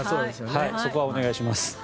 そこはお願いします。